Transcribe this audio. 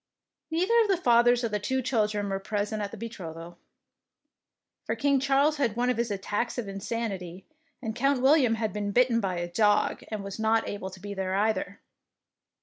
Neither of the fathers of the two children was present at the betrothal, for King Charles had one of his attacks of insanity, and Count William had been bitten by a dog, and was not able to be there, either.